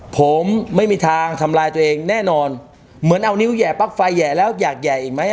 ผมไม่มีทางทำลายตัวเองแน่นอนเหมือนเอานิ้วแห่ปั๊กไฟแห่แล้วอยากแห่อีกไหม